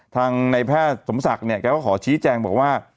ทางในแพทย์สมศักดิ์ก็ขอชี้แจงบอกว่า